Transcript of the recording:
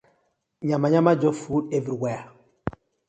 Yamayama just full everywhere.